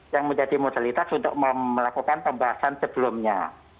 yang menjadi modalitas untuk melakukan pembahasan sebelumnya